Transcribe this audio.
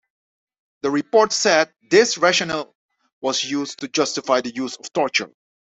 The report said this rationale was used to justify the use of torture.